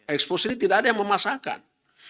ekspos ini tidak ada yang memasakkan